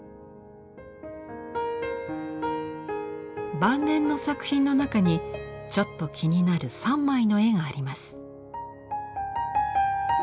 晩年の作品の中にちょっと気になる３枚の絵があります。